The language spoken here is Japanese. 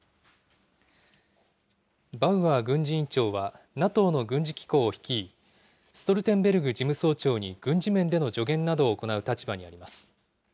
バウアー軍事委員長は、ＮＡＴＯの軍事機構を率い、ストルテンベルグ事務総長に軍事面での助言などを行う立場にあります。